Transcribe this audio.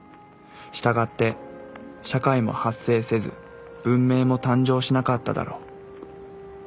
したがって社会も発生せず文明も誕生しなかっただろう。